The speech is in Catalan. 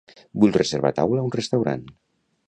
Vull reservar taula a un restaurant.